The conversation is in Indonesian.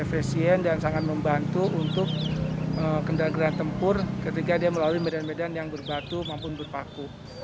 efisien dan sangat membantu untuk kendaraan tempur ketika dia melalui medan medan yang berbatu maupun berpaku